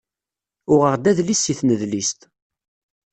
Uɣeɣ-d adlis si tnedlist.